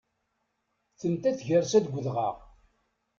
Tenta tgersa deg udɣaɣ.